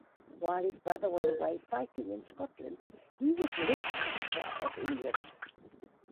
While his brother was away fighting in Scotland, he was left Keeper of England.